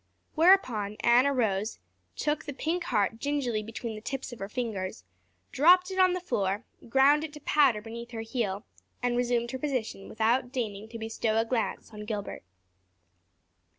Whereupon Anne arose, took the pink heart gingerly between the tips of her fingers, dropped it on the floor, ground it to powder beneath her heel, and resumed her position without deigning to bestow a glance on Gilbert.